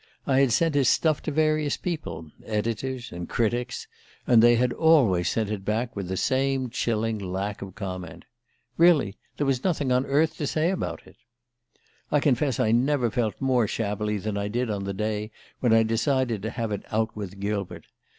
I had sent his stuff to various people editors and critics and they had always sent it back with the same chilling lack of comment. Really there was nothing on earth to say about it "I confess I never felt more shabbily than I did on the day when I decided to have it out with Gilbert.